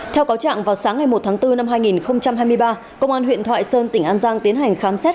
theo cáo trạng vào sáng ngày một tháng bốn năm hai nghìn hai mươi ba công an huyện thoại sơn tỉnh an giang tiến hành khám xét